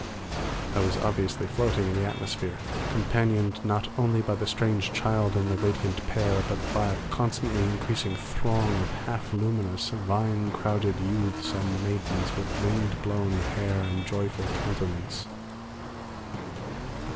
I was obviously floating in the atmosphere; companioned not only by the strange child and the radiant pair, but by a constantly increasing throng of half luminous, vine crowned youths and maidens with wind blown hair and joyful countenance.